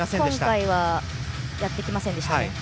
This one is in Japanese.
今回はやってきませんでした。